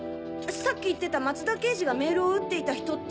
さっき言ってた松田刑事がメールを打っていた人って。